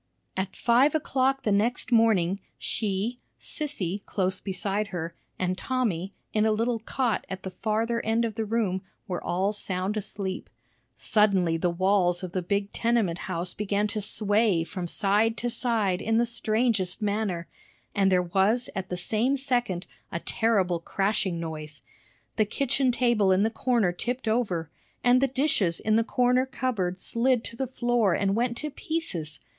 At five o'clock the next morning, she, Sissy, close beside her, and Tommy, in a little cot at the farther end of the room, were all sound asleep. Suddenly the walls of the big tenement house began to sway from side to side in the strangest manner, and there was at the same second a terrible crashing noise. The kitchen table in the corner tipped over, and the dishes in the corner cupboard slid to the floor and went to pieces.